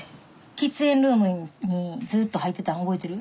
喫煙ルームにずっと入ってたん覚えてる？